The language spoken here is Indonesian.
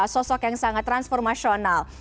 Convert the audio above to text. sosok yang sangat transformasional